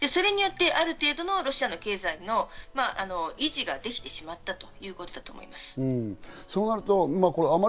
それによって、ある程度のロシアの経済の維持ができてしまったということだと思います。